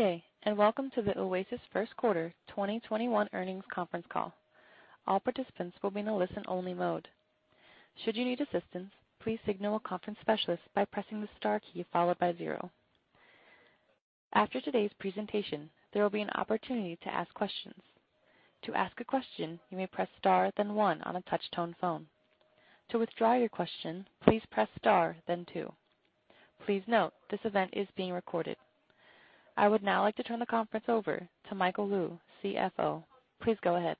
Good day, welcome to the Oasis First Quarter 2021 Earnings Conference Call. All participants will be in a listen-only mode. Should you need assistance, please signal a conference specialist by pressing the star key followed by zero. After today's presentation, there will be an opportunity to ask questions. To ask a question, you may press star then one on a touch-tone phone. To withdraw your question, please press star, then two. Please note, this event is being recorded. I would now like to turn the conference over to Michael Lou, CFO. Please go ahead.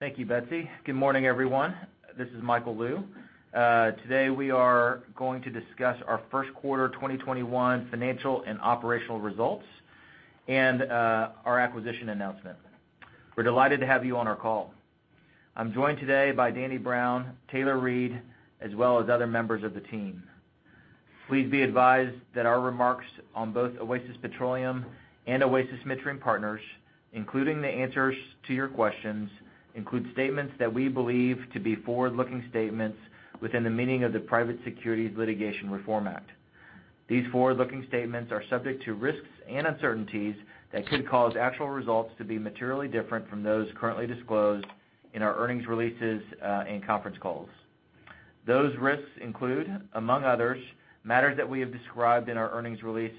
Thank you, Betsy. Good morning, everyone. This is Michael Lou. Today we are going to discuss our first quarter 2021 financial and operational results and our acquisition announcement. We're delighted to have you on our call. I'm joined today by Danny Brown, Taylor Reid, as well as other members of the team. Please be advised that our remarks on both Oasis Petroleum and Oasis Midstream Partners, including the answers to your questions, include statements that we believe to be forward-looking statements within the meaning of the Private Securities Litigation Reform Act. These forward-looking statements are subject to risks and uncertainties that could cause actual results to be materially different from those currently disclosed in our earnings releases and conference calls. Those risks include, among others, matters that we have described in our earnings release,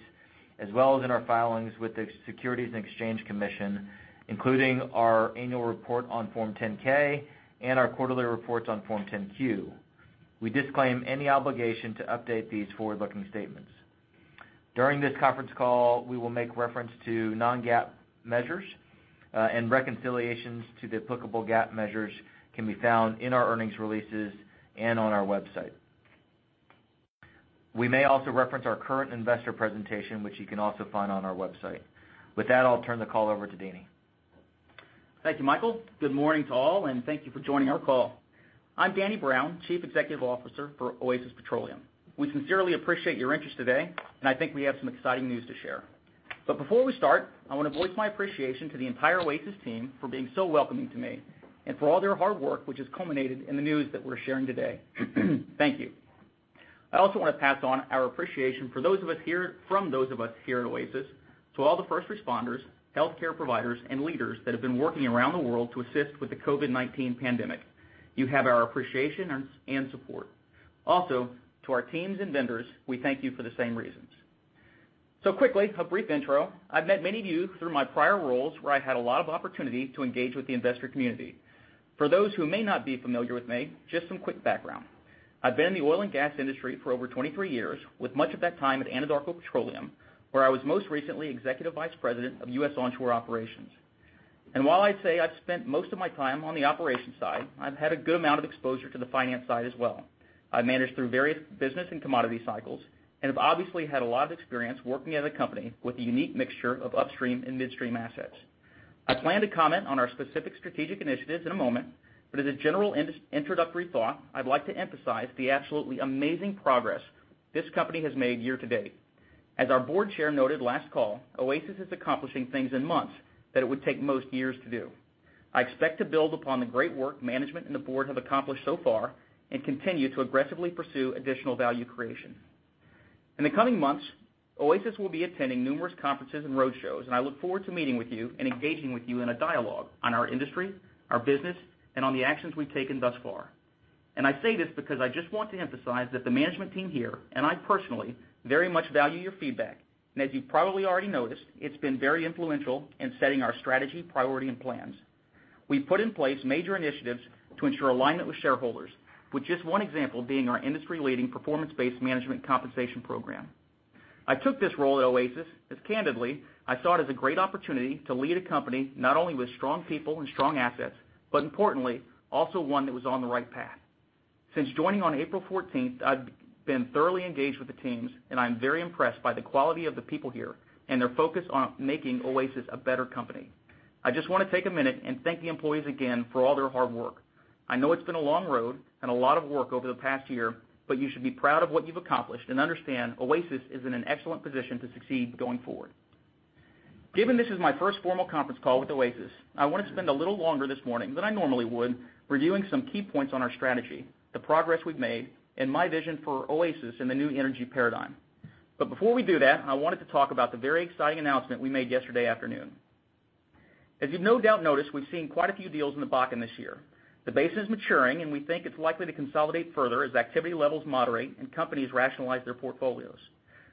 as well as in our filings with the Securities and Exchange Commission, including our annual report on Form 10-K and our quarterly reports on Form 10-Q. We disclaim any obligation to update these forward-looking statements. During this conference call, we will make reference to non-GAAP measures, and reconciliations to the applicable GAAP measures can be found in our earnings releases and on our website. We may also reference our current investor presentation, which you can also find on our website. With that, I'll turn the call over to Danny. Thank you, Michael. Good morning to all, and thank you for joining our call. I'm Danny Brown, Chief Executive Officer for Oasis Petroleum. We sincerely appreciate your interest today, and I think we have some exciting news to share. Before we start, I want to voice my appreciation to the entire Oasis team for being so welcoming to me and for all their hard work, which has culminated in the news that we're sharing today. Thank you. I also want to pass on our appreciation from those of us here at Oasis, to all the first responders, healthcare providers, and leaders that have been working around the world to assist with the COVID-19 pandemic. You have our appreciation and support. To our teams and vendors, we thank you for the same reasons. Quickly, a brief intro. I've met many of you through my prior roles, where I had a lot of opportunity to engage with the investor community. For those who may not be familiar with me, just some quick background. I've been in the oil and gas industry for over 23 years, with much of that time at Anadarko Petroleum, where I was most recently Executive Vice President of U.S. Onshore Operations. While I'd say I've spent most of my time on the operations side, I've had a good amount of exposure to the finance side as well. I managed through various business and commodity cycles and have obviously had a lot of experience working at a company with a unique mixture of upstream and midstream assets. I plan to comment on our specific strategic initiatives in a moment, but as a general introductory thought, I'd like to emphasize the absolutely amazing progress this company has made year to date. As our Board Chair noted last call, Oasis is accomplishing things in months that it would take most years to do. I expect to build upon the great work management and the Board have accomplished so far and continue to aggressively pursue additional value creation. In the coming months, Oasis will be attending numerous conferences and roadshows, and I look forward to meeting with you and engaging with you in a dialogue on our industry, our business, and on the actions we've taken thus far. I say this because I just want to emphasize that the management team here, and I personally, very much value your feedback. As you probably already noticed, it's been very influential in setting our strategy, priority, and plans. We've put in place major initiatives to ensure alignment with shareholders, with just one example being our industry-leading performance-based management compensation program. I took this role at Oasis as candidly, I saw it as a great opportunity to lead a company not only with strong people and strong assets, but importantly, also one that was on the right path. Since joining on April 14th, I've been thoroughly engaged with the teams, and I'm very impressed by the quality of the people here and their focus on making Oasis a better company. I just want to take a minute and thank the employees again for all their hard work. I know it's been a long road and a lot of work over the past year, but you should be proud of what you've accomplished and understand Oasis is in an excellent position to succeed going forward. Given this is my first formal conference call with Oasis, I want to spend a little longer this morning than I normally would reviewing some key points on our strategy, the progress we've made, and my vision for Oasis in the new energy paradigm. Before we do that, I wanted to talk about the very exciting announcement we made yesterday afternoon. As you've no doubt noticed, we've seen quite a few deals in the Bakken this year. The base is maturing, and we think it's likely to consolidate further as activity levels moderate and companies rationalize their portfolios.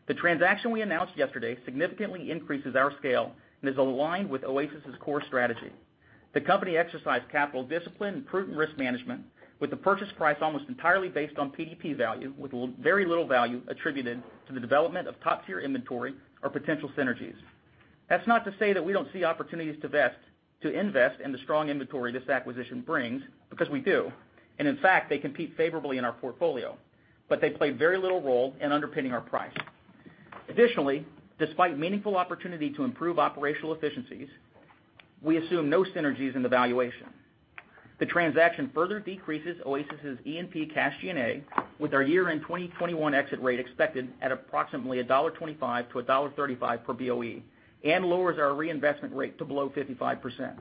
The transaction we announced yesterday significantly increases our scale and is aligned with Oasis's core strategy. The company exercised capital discipline and prudent risk management with the purchase price almost entirely based on PDP value, with very little value attributed to the development of top-tier inventory or potential synergies. That's not to say that we don't see opportunities to invest in the strong inventory this acquisition brings, because we do. In fact, they compete favorably in our portfolio. They play very little role in underpinning our price. Additionally, despite meaningful opportunity to improve operational efficiencies, we assume no synergies in the valuation. The transaction further decreases Oasis's E&P cash G&A with our year-end 2021 exit rate expected at approximately $1.25-$1.35 per BOE, and lowers our reinvestment rate to below 55%.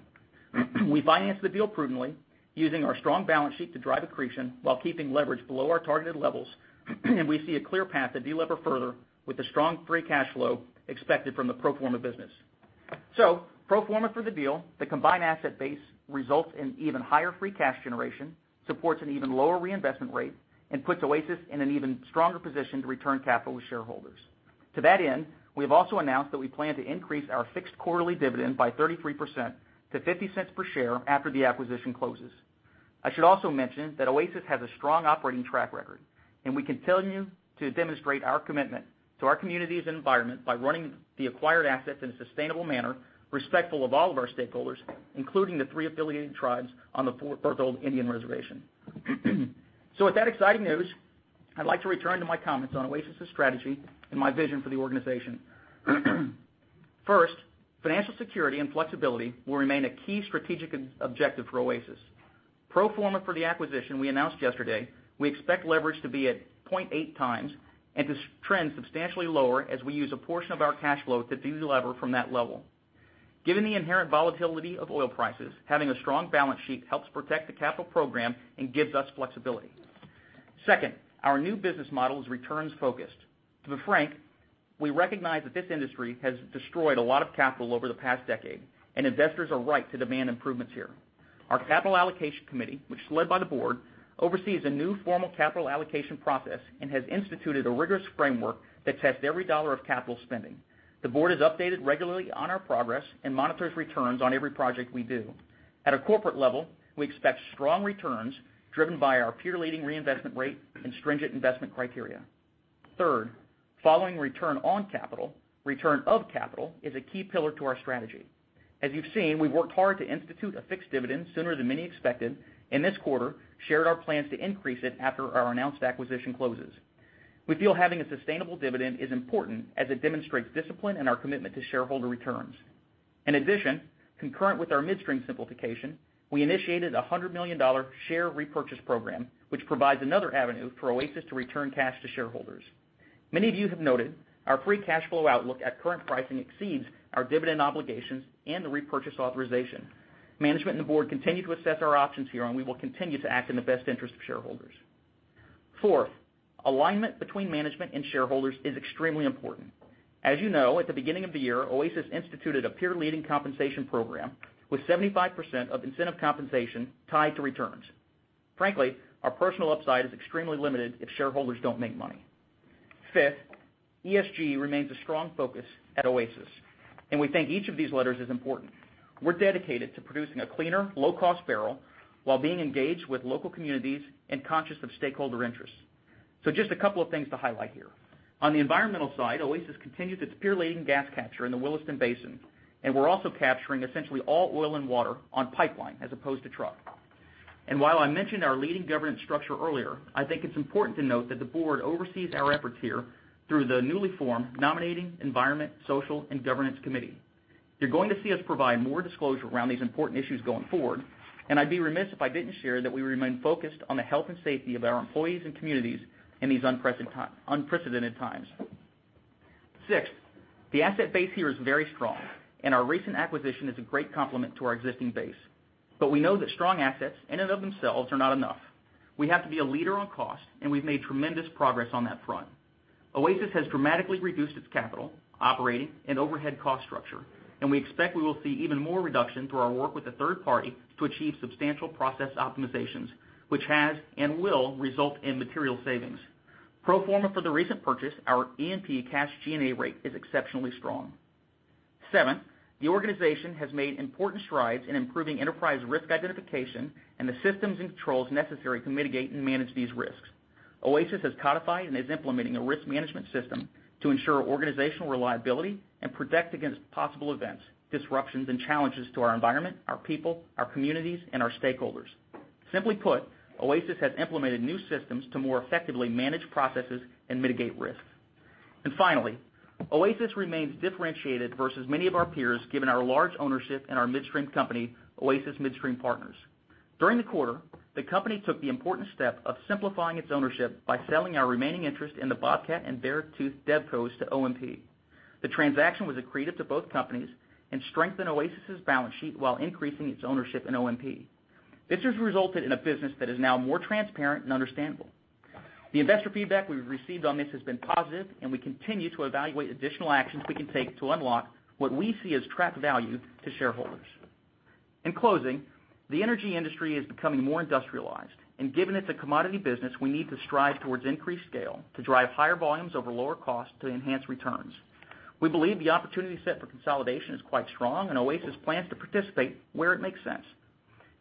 We financed the deal prudently using our strong balance sheet to drive accretion while keeping leverage below our targeted levels. We see a clear path to delever further with the strong free cash flow expected from the pro forma business. Pro forma for the deal, the combined asset base results in even higher free cash generation, supports an even lower reinvestment rate, and puts Oasis in an even stronger position to return capital to shareholders. To that end, we have also announced that we plan to increase our fixed quarterly dividend by 33% to $0.50 per share after the acquisition closes. I should also mention that Oasis has a strong operating track record, and we continue to demonstrate our commitment to our communities and environment by running the acquired assets in a sustainable manner, respectful of all of our stakeholders, including the Three Affiliated Tribes on the Fort Berthold Indian Reservation. With that exciting news, I'd like to return to my comments on Oasis's strategy and my vision for the organization. First, financial security and flexibility will remain a key strategic objective for Oasis. Pro forma for the acquisition we announced yesterday, we expect leverage to be at 0.8x and to trend substantially lower as we use a portion of our cash flow to delever from that level. Given the inherent volatility of oil prices, having a strong balance sheet helps protect the capital program and gives us flexibility. Second, our new business model is returns-focused. To be frank, we recognize that this industry has destroyed a lot of capital over the past decade. Investors are right to demand improvements here. Our Capital Allocation Committee, which is led by the Board, oversees a new formal capital allocation process and has instituted a rigorous framework that tests every dollar of capital spending. The Board is updated regularly on our progress and monitors returns on every project we do. At a corporate level, we expect strong returns driven by our peer-leading reinvestment rate and stringent investment criteria. Third, following return on capital, return of capital is a key pillar to our strategy. As you've seen, we've worked hard to institute a fixed dividend sooner than many expected, and this quarter shared our plans to increase it after our announced acquisition closes. We feel having a sustainable dividend is important as it demonstrates discipline and our commitment to shareholder returns. In addition, concurrent with our midstream simplification, we initiated a $100 million share repurchase program, which provides another avenue for Oasis to return cash to shareholders. Many of you have noted our free cash flow outlook at current pricing exceeds our dividend obligations and the repurchase authorization. Management and the Board continue to assess our options here, and we will continue to act in the best interest of shareholders. Fourth, alignment between management and shareholders is extremely important. As you know, at the beginning of the year, Oasis instituted a peer-leading compensation program with 75% of incentive compensation tied to returns. Frankly, our personal upside is extremely limited if shareholders don't make money. Fifth, ESG remains a strong focus at Oasis, and we think each of these letters is important. We're dedicated to producing a cleaner, low-cost barrel while being engaged with local communities and conscious of stakeholder interests. Just a couple of things to highlight here. On the environmental side, Oasis continues its peer-leading gas capture in the Williston Basin, and we're also capturing essentially all oil and water on pipeline as opposed to truck. While I mentioned our leading governance structure earlier, I think it's important to note that the Board oversees our efforts here through the newly formed Nominating, Environmental, Social and Governance Committee. You're going to see us provide more disclosure around these important issues going forward, and I'd be remiss if I didn't share that we remain focused on the health and safety of our employees and communities in these unprecedented times. Sixth, the asset base here is very strong, and our recent acquisition is a great complement to our existing base. We know that strong assets in and of themselves are not enough. We have to be a leader on cost, and we've made tremendous progress on that front. Oasis has dramatically reduced its capital, operating, and overhead cost structure, and we expect we will see even more reduction through our work with a third party to achieve substantial process optimizations, which has and will result in material savings. Pro forma for the recent purchase, our E&P cash G&A rate is exceptionally strong. Seventh, the organization has made important strides in improving enterprise risk identification and the systems and controls necessary to mitigate and manage these risks. Oasis has codified and is implementing a risk management system to ensure organizational reliability and protect against possible events, disruptions, and challenges to our environment, our people, our communities, and our stakeholders. Simply put, Oasis has implemented new systems to more effectively manage processes and mitigate risks. Finally, Oasis remains differentiated versus many of our peers given our large ownership in our midstream company, Oasis Midstream Partners. During the quarter, the company took the important step of simplifying its ownership by selling our remaining interest in the Bobcat and Beartooth DevCos to OMP. The transaction was accretive to both companies and strengthened Oasis's balance sheet while increasing its ownership in OMP. This has resulted in a business that is now more transparent and understandable. The investor feedback we've received on this has been positive, and we continue to evaluate additional actions we can take to unlock what we see as trapped value to shareholders. In closing, the energy industry is becoming more industrialized. Given it's a commodity business, we need to strive towards increased scale to drive higher volumes over lower costs to enhance returns. We believe the opportunity set for consolidation is quite strong. Oasis plans to participate where it makes sense.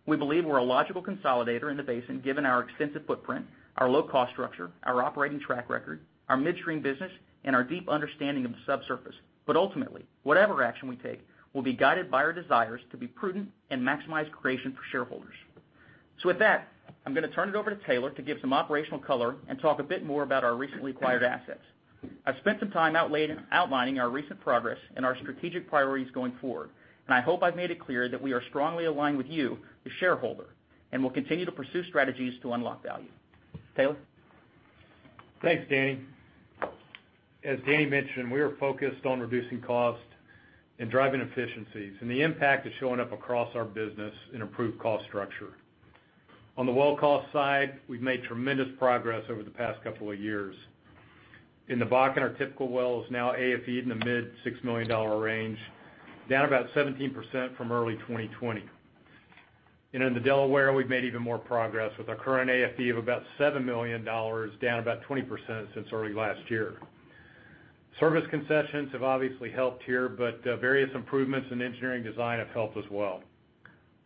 We believe we're a logical consolidator in the basin given our extensive footprint, our low-cost structure, our operating track record, our midstream business, and our deep understanding of the subsurface. Ultimately, whatever action we take will be guided by our desires to be prudent and maximize creation for shareholders. With that, I'm going to turn it over to Taylor to give some operational color and talk a bit more about our recently acquired assets. I've spent some time outlining our recent progress and our strategic priorities going forward. I hope I've made it clear that we are strongly aligned with you, the shareholder, and will continue to pursue strategies to unlock value. Taylor? Thanks, Danny. As Danny mentioned, we are focused on reducing costs and driving efficiencies. The impact is showing up across our business in improved cost structure. On the well cost side, we've made tremendous progress over the past couple of years. In the Bakken, our typical well is now AFE'd in the mid $6 million range, down about 17% from early 2020. In the Delaware, we've made even more progress with our current AFE of about $7 million, down about 20% since early last year. Service concessions have obviously helped here. Various improvements in engineering design have helped as well.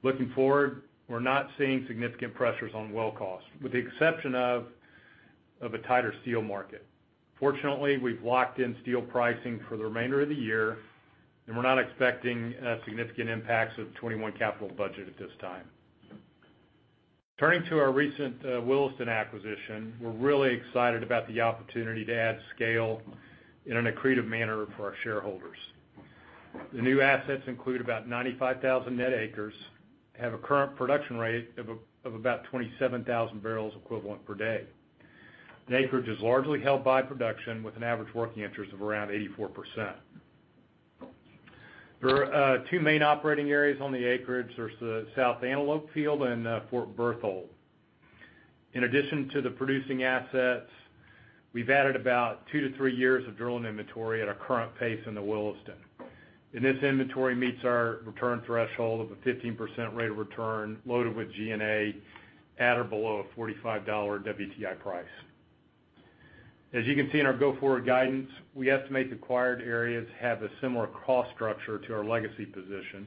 Looking forward, we're not seeing significant pressures on well costs, with the exception of a tighter steel market. Fortunately, we've locked in steel pricing for the remainder of the year. We're not expecting significant impacts of 2021 capital budget at this time. Turning to our recent Williston acquisition, we're really excited about the opportunity to add scale in an accretive manner for our shareholders. The new assets include about 95,000 net acres, have a current production rate of about 27,000 barrels equivalent per day. The acreage is largely held by production with an average working interest of around 84%. There are two main operating areas on the acreage. There's the South Antelope Field and Fort Berthold. In addition to the producing assets, we've added about two to three years of drilling inventory at our current pace in the Williston, and this inventory meets our return threshold of a 15% rate of return loaded with G&A at or below a $45 WTI price. As you can see in our go-forward guidance, we estimate the acquired areas have a similar cost structure to our legacy position,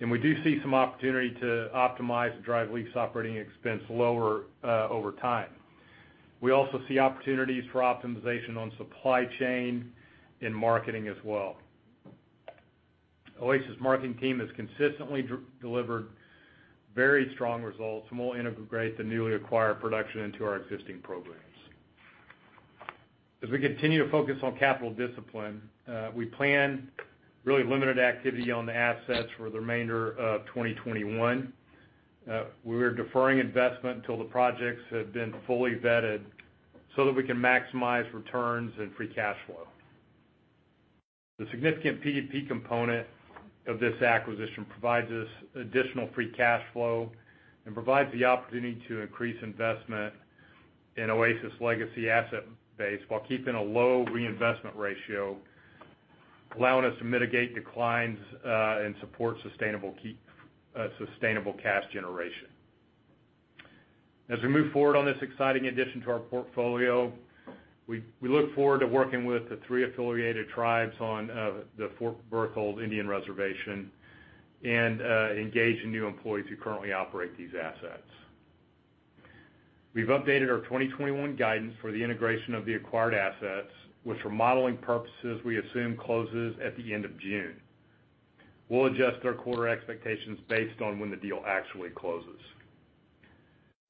and we do see some opportunity to optimize and drive lease operating expense lower over time. We also see opportunities for optimization on supply chain and marketing as well. Oasis marketing team has consistently delivered very strong results, and we'll integrate the newly acquired production into our existing programs. As we continue to focus on capital discipline, we plan really limited activity on the assets for the remainder of 2021. We're deferring investment until the projects have been fully vetted so that we can maximize returns and free cash flow. The significant PDP component of this acquisition provides us additional free cash flow and provides the opportunity to increase investment in Oasis legacy asset base while keeping a low reinvestment ratio, allowing us to mitigate declines, and support sustainable cash generation. As we move forward on this exciting addition to our portfolio, we look forward to working with the Three Affiliated Tribes on the Fort Berthold Indian Reservation and engaging new employees who currently operate these assets. We've updated our 2021 guidance for the integration of the acquired assets, which for modeling purposes, we assume closes at the end of June. We'll adjust our quarter expectations based on when the deal actually closes.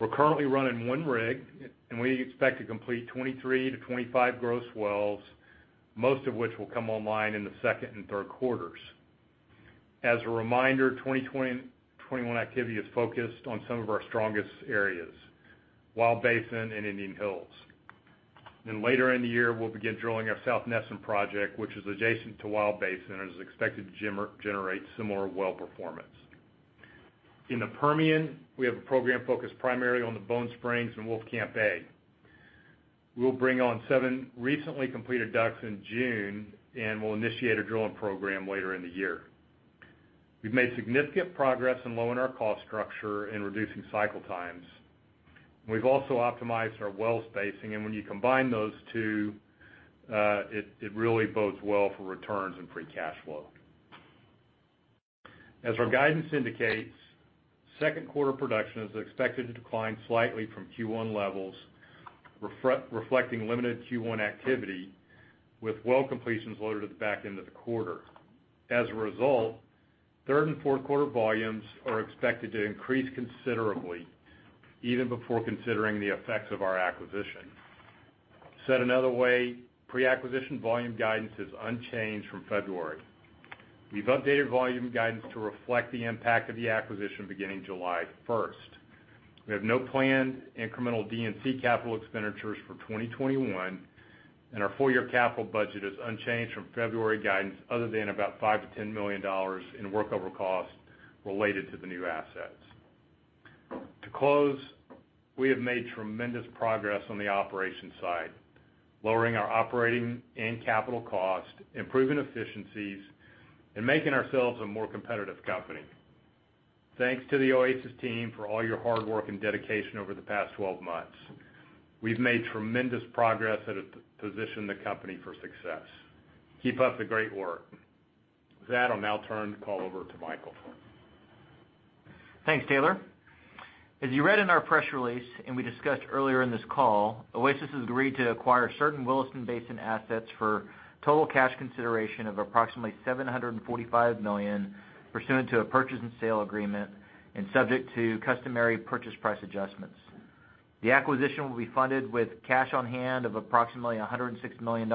We're currently running one rig, and we expect to complete 23 to 25 gross wells, most of which will come online in the second and third quarters. As a reminder, 2021 activity is focused on some of our strongest areas, Wild Basin and Indian Hills. Later in the year, we'll begin drilling our South Nesson project, which is adjacent to Wild Basin and is expected to generate similar well performance. In the Permian, we have a program focused primarily on the Bone Spring and Wolfcamp A. We will bring on seven recently completed DUCs in June, and we'll initiate a drilling program later in the year. We've made significant progress in lowering our cost structure and reducing cycle times. We've also optimized our well spacing, and when you combine those two, it really bodes well for returns and free cash flow. As our guidance indicates, second quarter production is expected to decline slightly from Q1 levels, reflecting limited Q1 activity with well completions loaded at the back end of the quarter. As a result, third and fourth quarter volumes are expected to increase considerably even before considering the effects of our acquisition. Said another way, pre-acquisition volume guidance is unchanged from February. We've updated volume guidance to reflect the impact of the acquisition beginning July 1st. We have no planned incremental D&C capital expenditures for 2021, and our full-year capital budget is unchanged from February guidance, other than about $5 million-$10 million in workover costs related to the new assets. To close, we have made tremendous progress on the operations side, lowering our operating and capital costs, improving efficiencies, and making ourselves a more competitive company. Thanks to the Oasis team for all your hard work and dedication over the past 12 months. We've made tremendous progress that have positioned the company for success. Keep up the great work. With that, I'll now turn the call over to Michael. Thanks, Taylor. As you read in our press release and we discussed earlier in this call, Oasis has agreed to acquire certain Williston Basin assets for total cash consideration of approximately $745 million pursuant to a purchase and sale agreement and subject to customary purchase price adjustments. The acquisition will be funded with cash on hand of approximately $106 million,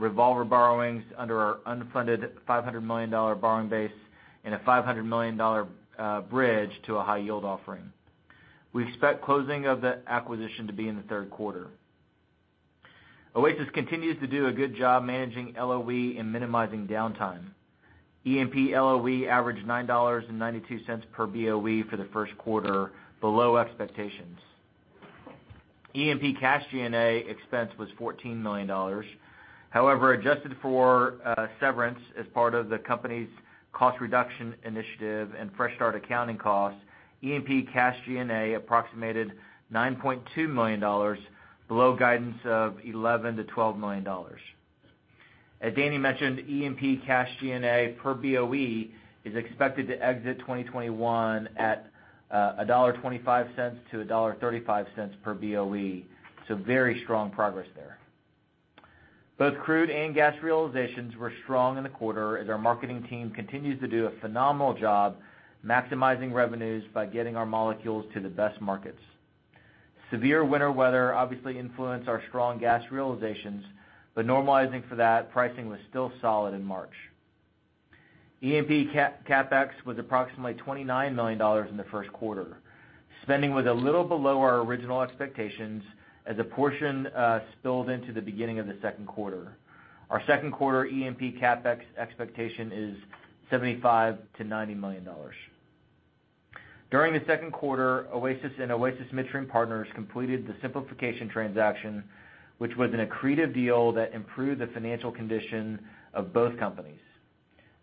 revolver borrowings under our unfunded $500 million borrowing base, and a $500 million bridge to a high-yield offering. We expect closing of the acquisition to be in the third quarter. Oasis continues to do a good job managing LOE and minimizing downtime. E&P LOE averaged $9.92 per BOE for the first quarter, below expectations. E&P cash G&A expense was $14 million. However, adjusted for severance as part of the company's cost reduction initiative and fresh start accounting costs, E&P cash G&A approximated $9.2 million, below guidance of $11 million-$12 million. As Danny mentioned, E&P cash G&A per BOE is expected to exit 2021 at $1.25-$1.35 per BOE, very strong progress there. Both crude and gas realizations were strong in the quarter as our marketing team continues to do a phenomenal job maximizing revenues by getting our molecules to the best markets. Severe winter weather obviously influenced our strong gas realizations, normalizing for that, pricing was still solid in March. E&P CapEx was approximately $29 million in the first quarter. Spending was a little below our original expectations as a portion spilled into the beginning of the second quarter. Our second quarter E&P CapEx expectation is $75 million-$90 million. During the second quarter, Oasis and Oasis Midstream Partners completed the simplification transaction, which was an accretive deal that improved the financial condition of both companies.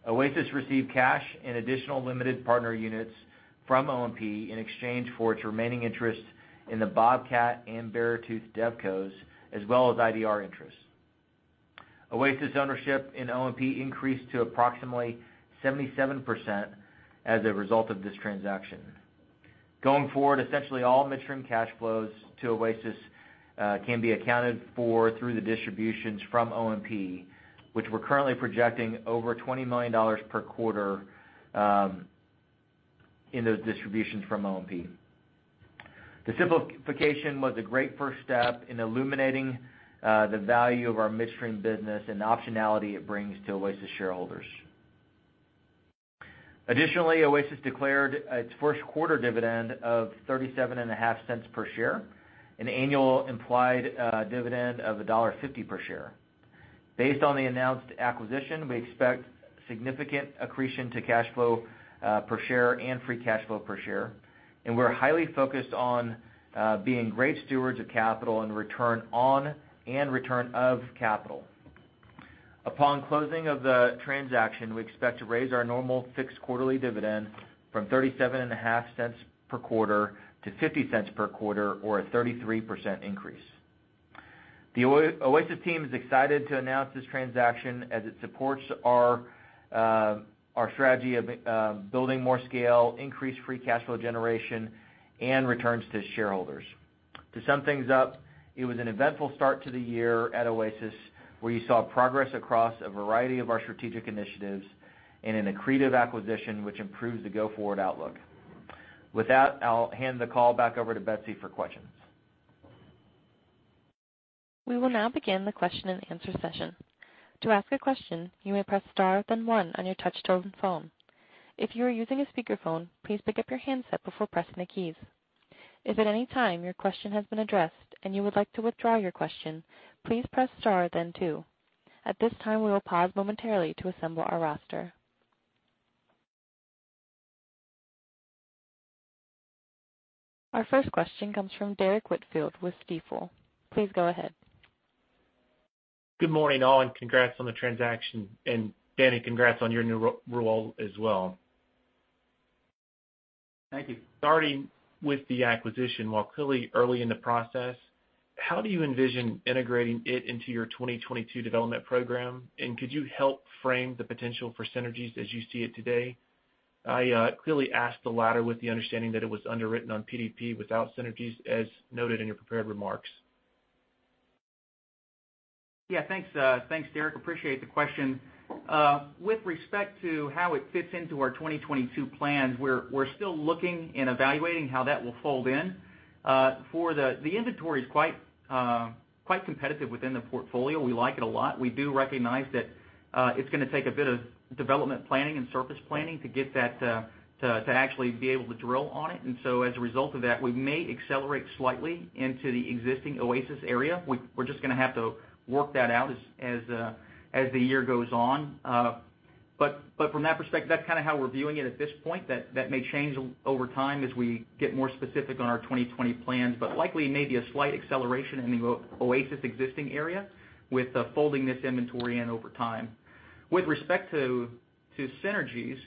Oasis received cash and additional limited partner units from OMP in exchange for its remaining interest in the Bobcat and Beartooth DevCos, as well as IDR interests. Oasis ownership in OMP increased to approximately 77% as a result of this transaction. Going forward, essentially all midstream cash flows to Oasis can be accounted for through the distributions from OMP, which we're currently projecting over $20 million per quarter in those distributions from OMP. The simplification was a great first step in illuminating the value of our midstream business and the optionality it brings to Oasis shareholders. Additionally, Oasis declared its first quarter dividend of $0.375 per share, an annual implied dividend of $1.50 per share. Based on the announced acquisition, we expect significant accretion to cash flow per share and free cash flow per share, and we're highly focused on being great stewards of capital and return on, and return of capital. Upon closing of the transaction, we expect to raise our normal fixed quarterly dividend from $0.375 per quarter to $0.50 per quarter or a 33% increase. The Oasis team is excited to announce this transaction as it supports our strategy of building more scale, increased free cash flow generation, and returns to shareholders. To sum things up, it was an eventful start to the year at Oasis, where you saw progress across a variety of our strategic initiatives and an accretive acquisition, which improves the go-forward outlook. With that, I'll hand the call back over to Betsy for questions. We will now begin the question and answer session. To ask a question, you may press star, then one on your touch tone phone. If you're using a speaker phone, please pick up your handset before pressing the keys. If at any time your question has been addressed and you would like to withdraw your question, please press star then two. At this time, we will pause momentarily to assemble our roster. Our first question comes from Derrick Whitfield with Stifel. Please go ahead. Good morning, all, and congrats on the transaction. Danny, congrats on your new role as well. Thank you. Starting with the acquisition. While clearly early in the process, how do you envision integrating it into your 2022 development program? Could you help frame the potential for synergies as you see it today? I clearly ask the latter with the understanding that it was underwritten on PDP without synergies, as noted in your prepared remarks. Thanks, Derrick. Appreciate the question. With respect to how it fits into our 2022 plans, we're still looking and evaluating how that will fold in. The inventory is quite competitive within the portfolio. We like it a lot. We do recognize that it's going to take a bit of development planning and surface planning to get that to actually be able to drill on it. As a result of that, we may accelerate slightly into the existing Oasis area. We're just going to have to work that out as the year goes on. From that perspective, that's kind of how we're viewing it at this point. That may change over time as we get more specific on our 2020 plans. Likely may be a slight acceleration in the Oasis existing area with folding this inventory in over time. With respect to synergies,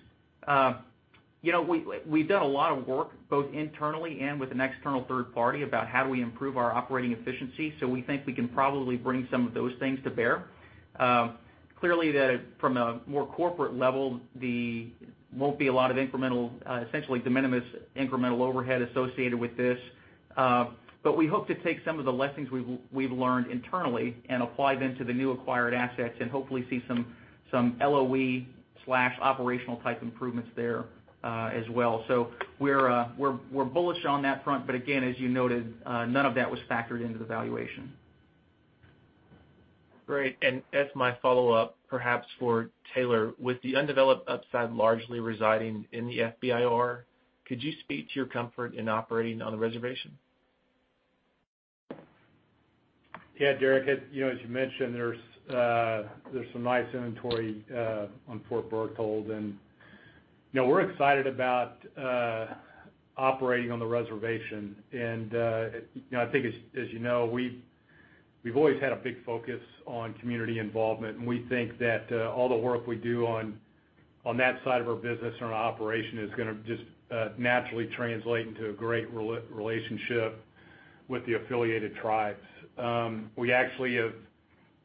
we've done a lot of work both internally and with an external third party about how we improve our operating efficiency. We think we can probably bring some of those things to bear. Clearly, from a more corporate level, there won't be a lot of, essentially, de minimis incremental overhead associated with this. We hope to take some of the lessons we've learned internally and apply them to the new acquired assets and hopefully see some LOE/operational type improvements there as well. We're bullish on that front, but again, as you noted, none of that was factored into the valuation. Great. As my follow-up, perhaps for Taylor, with the undeveloped upside largely residing in the FBIR, could you speak to your comfort in operating on the reservation? Yeah, Derrick. As you mentioned, there's some nice inventory on Fort Berthold, we're excited about operating on the reservation. I think, as you know, we've always had a big focus on community involvement, and we think that all the work we do on that side of our business or on operation is going to just naturally translate into a great relationship with the affiliated tribes.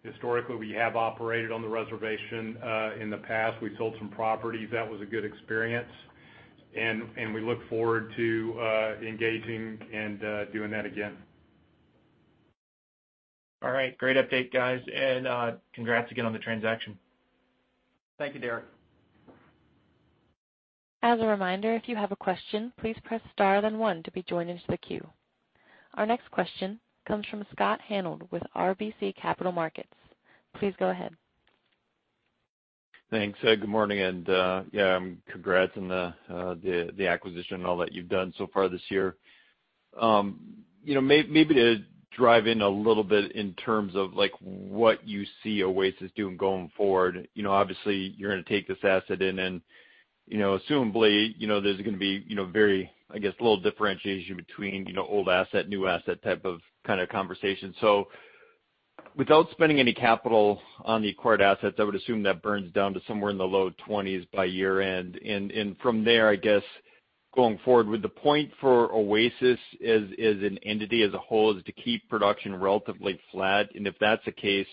Historically, we have operated on the reservation. In the past, we sold some properties. That was a good experience, and we look forward to engaging and doing that again. All right. Great update, guys, and congrats again on the transaction. Thank you, Derrick. As a reminder, if you have a question, please press star then one to be joined into the queue. Our next question comes from Scott Hanold with RBC Capital Markets. Please go ahead. Thanks. Good morning, and congrats on the acquisition and all that you've done so far this year. Maybe to drive in a little bit in terms of what you see Oasis doing going forward. Obviously, you're going to take this asset in and assumably, there's going to be very, I guess, a little differentiation between old asset, new asset type of conversation. Without spending any capital on the acquired assets, I would assume that burns down to somewhere in the low 20s by year-end. From there, I guess, going forward, would the point for Oasis as an entity, as a whole, is to keep production relatively flat? If that's the case,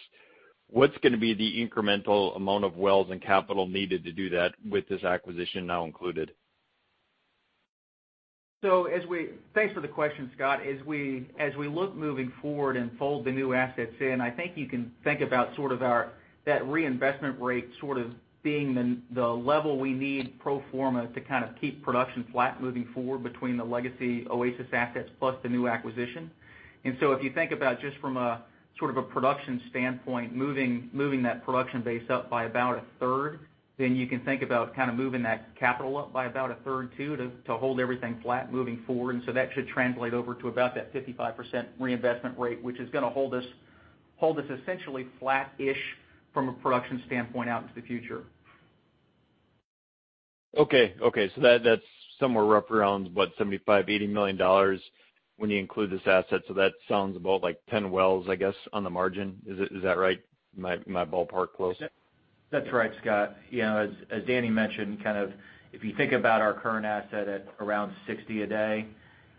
what's going to be the incremental amount of wells and capital needed to do that with this acquisition now included? Thanks for the question, Scott. We look moving forward and fold the new assets in, I think you can think about that reinvestment rate sort of being the level we need pro forma to kind of keep production flat moving forward between the legacy Oasis assets plus the new acquisition. If you think about just from a production standpoint, moving that production base up by about a third, then you can think about moving that capital up by about a third too to hold everything flat moving forward. That should translate over to about that 55% reinvestment rate, which is going to hold us essentially flat-ish from a production standpoint out into the future. Okay. That's somewhere rough around, what, $75 million, $80 million when you include this asset. That sounds about 10 wells, I guess, on the margin. Is that right? Is my ballpark close? That's right, Scott. As Danny mentioned, if you think about our current asset at around 60 a day,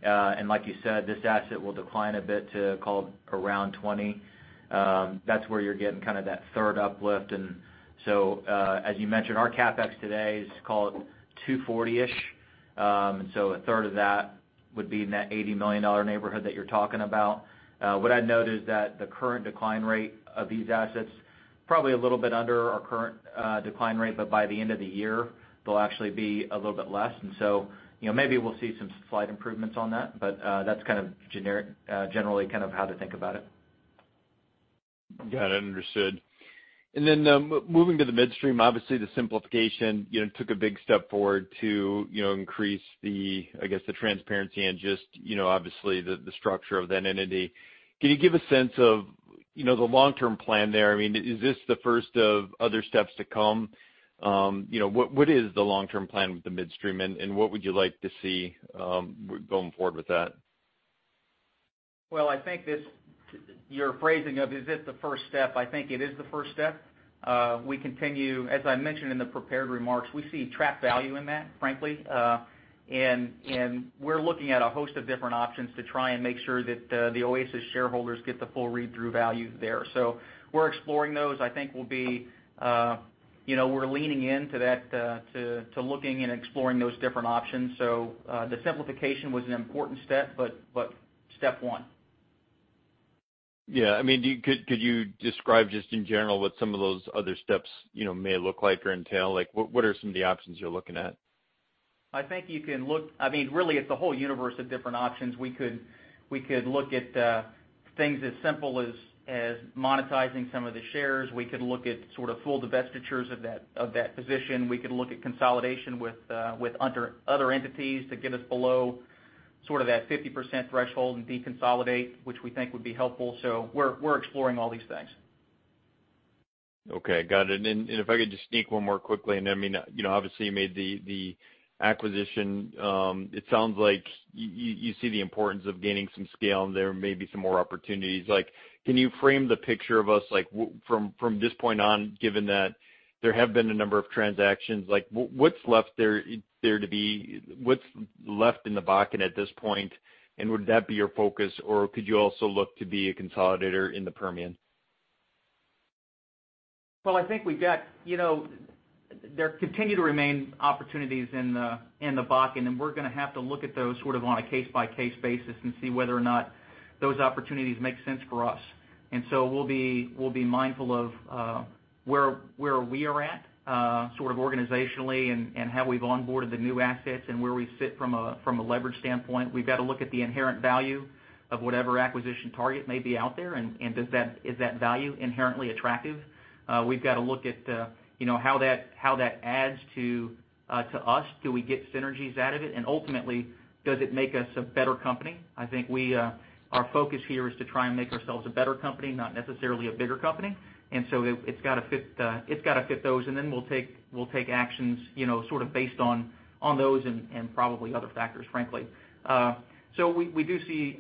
and like you said, this asset will decline a bit to call around 20. That's where you're getting that third uplift. As you mentioned, our CapEx today is call it 240-ish. A third of that would be in that $80 million neighborhood that you're talking about. What I'd note is that the current decline rate of these assets, probably a little bit under our current decline rate, but by the end of the year, they'll actually be a little bit less. Maybe we'll see some slight improvements on that, but that's generally how to think about it. Got it. Understood. Moving to the midstream, obviously, the simplification took a big step forward to increase, I guess, the transparency and just obviously the structure of that entity. Can you give a sense of the long-term plan there? Is this the first of other steps to come? What is the long-term plan with the midstream, and what would you like to see going forward with that? Well, I think your phrasing of, is this the first step, I think it is the first step. As I mentioned in the prepared remarks, we see trapped value in that, frankly. And we're looking at a host of different options to try and make sure that the Oasis shareholders get the full read-through value there. We're exploring those. I think we're leaning into looking and exploring those different options. The simplification was an important step, but step one. Yeah. Could you describe just in general what some of those other steps may look like or entail? What are some of the options you're looking at? I think it's a whole universe of different options. We could look at things as simple as monetizing some of the shares. We could look at full divestitures of that position. We could look at consolidation with other entities to get us below that 50% threshold and deconsolidate, which we think would be helpful. We're exploring all these things. Okay, got it. If I could just sneak one more quickly in. Obviously, you made the acquisition. It sounds like you see the importance of gaining some scale, and there may be some more opportunities. Can you frame the picture of us from this point on, given that there have been a number of transactions? What's left in the Bakken at this point, and would that be your focus, or could you also look to be a consolidator in the Permian? Well, I think there continue to remain opportunities in the Bakken, and we're going to have to look at those on a case-by-case basis and see whether or not those opportunities make sense for us. We'll be mindful of where we are at organizationally and how we've onboarded the new assets and where we sit from a leverage standpoint. We've got to look at the inherent value of whatever acquisition target may be out there, and is that value inherently attractive? We've got to look at how that adds to us. Do we get synergies out of it? Ultimately, does it make us a better company? I think our focus here is to try and make ourselves a better company, not necessarily a bigger company. It's got to fit those, and then we'll take actions based on those and probably other factors, frankly. We do see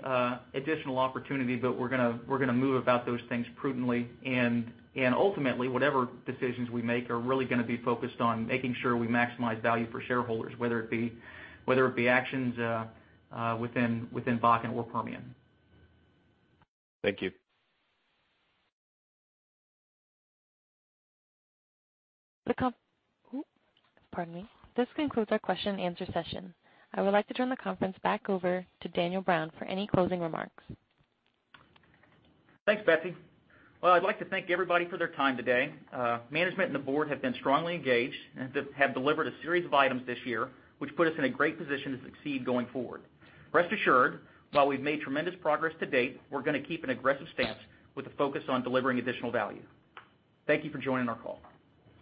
additional opportunity, but we're going to move about those things prudently, and ultimately, whatever decisions we make are really going to be focused on making sure we maximize value for shareholders, whether it be actions within Bakken or Permian. Thank you. This concludes our question and answer session. I would like to turn the conference back over to Danny Brown for any closing remarks. Thanks, Betsy. Well, I'd like to thank everybody for their time today. Management and the Board have been strongly engaged and have delivered a series of items this year, which put us in a great position to succeed going forward. Rest assured, while we've made tremendous progress to date, we're going to keep an aggressive stance with a focus on delivering additional value. Thank you for joining our call.